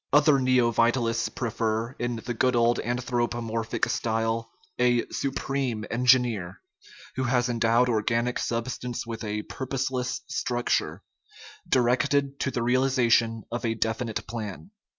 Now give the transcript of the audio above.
Other neovitalists prefer, in the good old anthropomorphic style, a "supreme" engineer, who has endowed organic substance with a purposive structure, directed to the realization of a definite plan.